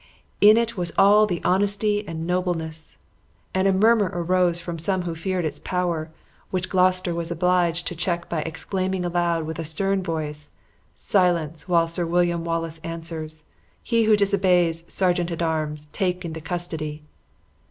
In it was all honesty and nobleness! and a murmur arose from some who feared its power, which Gloucester was obliged to check by exclaiming aloud with a stern voice; 'Silence, while Sir William Wallace answers. He who disobeys, sergeant at arms, take into custody!'